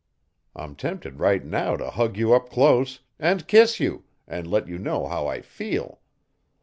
I'm tempted right now to hug you up close, and kiss you, and let you know how I feel.